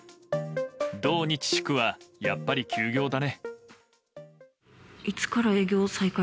土日祝はやっぱり休業だね。